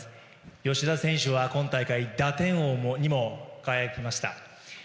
吉田選手は今大会打点王にも輝きました。